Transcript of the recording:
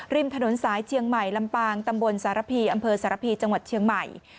ริมถนนสายเชียงใหม่ลำปางตำบลสารพีอำเภอสารพีจังหวัดเชียงใหม่